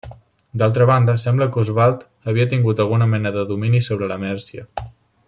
D’altra banda, sembla que Osvald havia tingut alguna mena de domini sobre la Mèrcia.